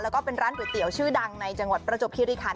แล้วก็เป็นร้านก๋วยเตี๋ยวชื่อดังในจังหวัดประจบคิริคัน